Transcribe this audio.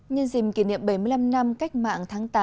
nhân dìm kỷ niệm bảy mươi năm năm cách mạng tháng tám